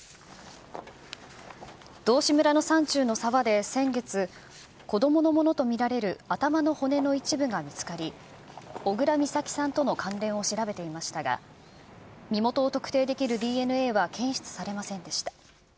道志村の山中の沢で先月、子どものものと見られる頭の骨の一部が見つかり、小倉美咲さんとの関連を調べていましたが、身元を特定できるＤＮＡは検出されませんでした。